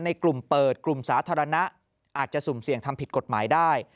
ในกลุ่มเปิดกลุ่มสาธารณะอาจจะสุ่มเสี่ยงทำผิดกฎหมายได้